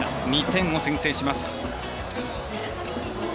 ２点を先制します。